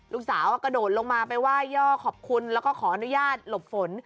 ลูกสาวกระโดดลงมาไปไหว้ย่อขอบคุณแล้วก็ขออนุญาตหลบฝน